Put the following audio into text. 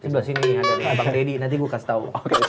sebelah sini ada nih bang deddy nanti gue kasih tau